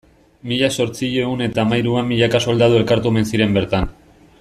Mila zortziehun eta hamahiruan milaka soldadu elkartu omen ziren bertan.